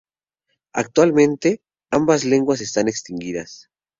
Actualmente, ambas lenguas están extinguidas.